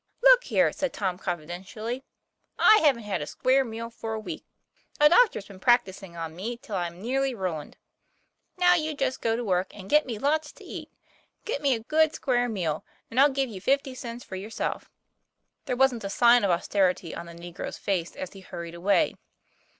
' Look here," said Tom, confidentially. " I haven't had a square meal for a week. A doctor's been prac tising on me, till I'm nearly ruined, Now, you just go to work and get me lots to eat; get me a good square meal, and I'll give you fifty cents for your self." There wasn't a sign of austerity on the negro's face as he hurried away.